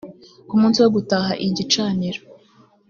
ku munsi wo gutaha igicaniro